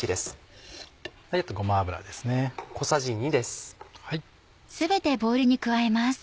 あとごま油ですね。